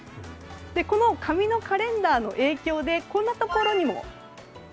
この紙のカレンダーの影響でこんなところにも。